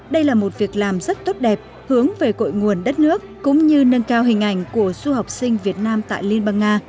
đây là một việc làm rất tốt đẹp hướng về cội nguồn đất nước cũng như nâng cao hình ảnh của du học sinh việt nam tại liên bang nga